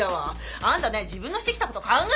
あんたね自分のしてきたこと考えてみなさいよ。